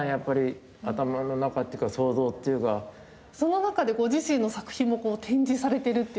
その中でご自身の作品も展示されているっていう。